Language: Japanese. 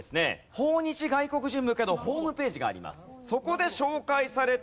訪日外国人向けのホームページがあります。